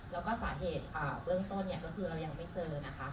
แล้วก็สาเหตุเบื้องต้นเนี่ยก็คือเรายังไม่เจอนะคะ